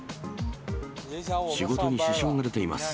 仕事に支障が出ています。